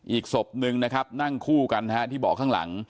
อีกศพนึงนะครับนั่งคู่กันที่เบาะข้างหลัง